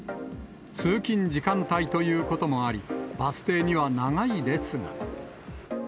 通勤時間帯ということもあり、バス停には長い列が。